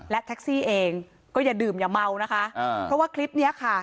และแท็กซี่เองก็อย่าดื่มอย่าเมานะคะเพราะว่าคลิปเนี้ยค่ะ